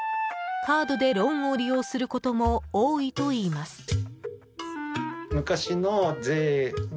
カードでローンを利用することも多いといいます。